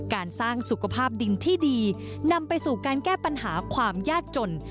การสร้างสุขภาพดินที่ดีนำไปสู่การแก้ปัญหาความยากจน